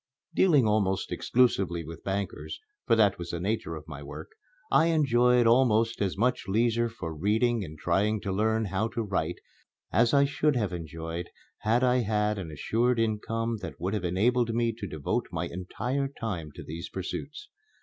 Dealing almost exclusively with bankers, for that was the nature of my work, I enjoyed almost as much leisure for reading and trying to learn how to write as I should have enjoyed had I had an assured income that would have enabled me to devote my entire time to these pursuits.